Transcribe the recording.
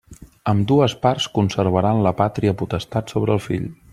Ambdues parts conservaran la pàtria potestat sobre el fill.